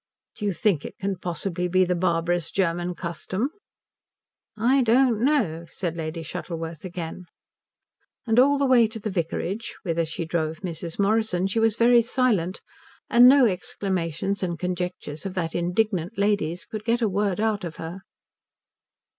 "Do you think it can possibly be the barbarous German custom?" "I don't know," said Lady Shuttleworth again. And all the way to the vicarage, whither she drove Mrs. Morrison, she was very silent, and no exclamations and conjectures of that indignant lady's could get a word out of her.